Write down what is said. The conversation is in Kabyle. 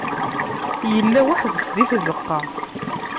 Yella weḥd-s di tzeqqa.